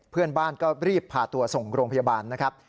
เพื่อนบ้านก็รีบพาตัวส่งโรงพยาบาลนะครับ